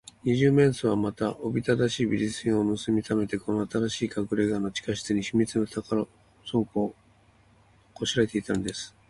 二十面相は、また、おびただしい美術品をぬすみためて、この新しいかくれがの地下室に、秘密の宝庫をこしらえていたのです。